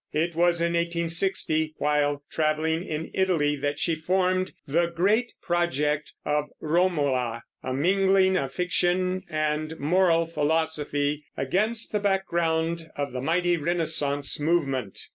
It was in 1860, while traveling in Italy, that she formed "the great project" of Romola, a mingling of fiction and moral philosophy, against the background of the mighty Renaissance movement.